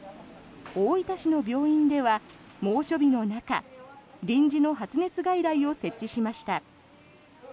大分市の病院では、猛暑日の中臨時の発熱外来を設置しました。